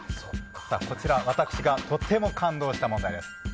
こちら、私がとても感動した問題です。